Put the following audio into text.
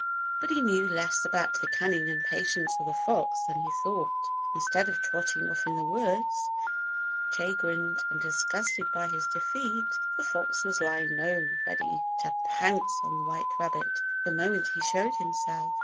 But he knew less about the cunning and patience of the fox than he thought. Instead of trotting off in the woods, chagrined and disgusted by his defeat, the fox was lying low ready to pounce on the white rabbit the moment he showed himself.